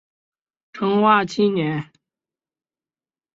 成化七年辛卯科应天府乡试第一名。